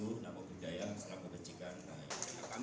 semuanya om swastiastu nama kebijakan nama kebijakan